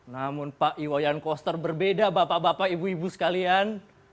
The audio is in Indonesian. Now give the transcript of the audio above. namun pak iwayan koster berbeda bapak bapak ibu ibu sekalian